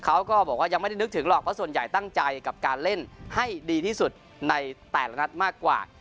เขาก็บอกว่ายังไม่ได้นึกถึงหรอกเพราะส่วนใหญ่ตั้งใจกับการเล่นให้ดีที่สุดในแต่ละนัดมากกว่า